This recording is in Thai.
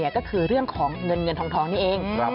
ก็คือเรื่องของเงินเงินทองนี่เอง